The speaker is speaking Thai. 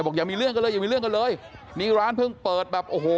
อย่ามีเรื่องกันเลยอย่ามีเรื่องกันเลยนี่ร้านเพิ่งเปิดแบบโอ้โห